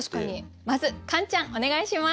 まずカンちゃんお願いします。